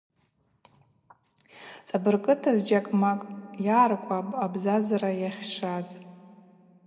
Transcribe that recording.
Цӏабыргыта, зджьакӏмакӏ аъаркӏвапӏ абзазара йгӏахьшваз.